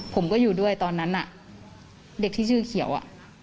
ผมก็อยู่ด้วยตอนนั้นน่ะเด็กที่ชื่อเขียวอ่ะ